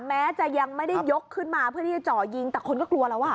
แม้จะยังไม่ได้ยกขึ้นมาเพื่อที่จะเจาะยิงแต่คนก็กลัวแล้วอ่ะ